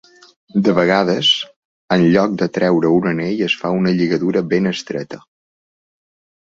De vegades en lloc de treure un anell es fa una lligadura ben estreta.